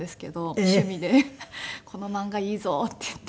「この漫画いいぞ」って言って。